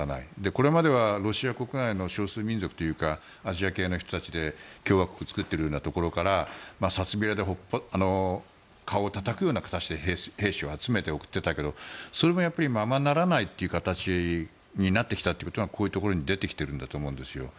これまではロシア国内の少数民族というかアジア系の人たちで共和国を作っているようなところから札びらで顔をたたくような格好で兵士を集めて送っていたけどそれもままならないという形になってきたということがこういうところに出てきていると思うんですよ。